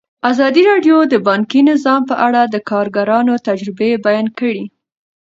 ازادي راډیو د بانکي نظام په اړه د کارګرانو تجربې بیان کړي.